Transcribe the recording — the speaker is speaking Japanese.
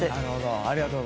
なるほど。